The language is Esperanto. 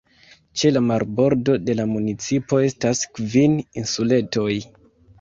Ĉe la marbordo de la municipo estas kvin insuletoj.